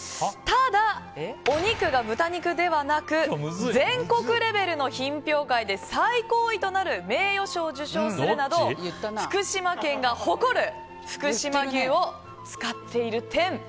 ただ、お肉が豚肉ではなく全国レベルの品評会で最高位となる名誉賞を受賞するなど福島県が誇る福島牛を使っている点。